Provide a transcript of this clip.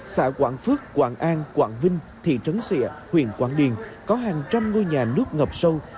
xã quảng phước quảng an quảng vinh thị trấn xịa huyện quảng điền có hàng trăm ngôi nhà nước ngập sâu